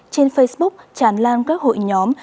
trên facebook chàn lan các hội nhóm